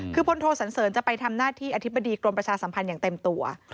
คือพลโทสันเสริญจะไปทำหน้าที่อธิบดีกรมประชาสัมพันธ์อย่างเต็มตัว